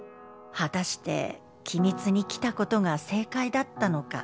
「はたして君津に来たことが正解だったのか」